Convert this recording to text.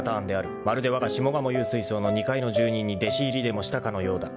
［まるでわが下鴨幽水荘の２階の住人に弟子入りでもしたかのようだ］